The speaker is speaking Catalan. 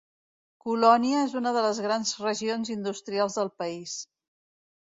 Colònia és una de les grans regions industrials del país.